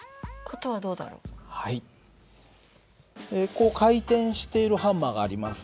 こう回転しているハンマーがあります。